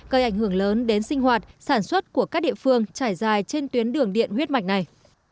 gây ảnh hưởng lớn đến sinh hoạt sản xuất của các địa phương trải dài trên tuyến đường điện huyết mạch này